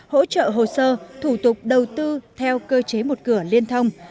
hỗ trợ hồ sơ thủ tục đầu tư theo cơ chế một cửa liên thông